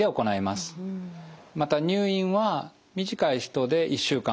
また入院は短い人で１週間ほど。